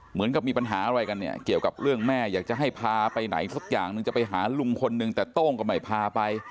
เหมือนกับมีปัญหาอะไรกันเนี่ยเกี่ยวกับเรื่องแม่อยากจะให้พาไปไหนสักอย่างหนึ่งจะไปหาลุงคนนึงแต่โต้งก็ไม่พาไป